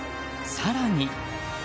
更に。